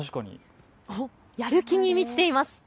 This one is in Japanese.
やる気に満ちています。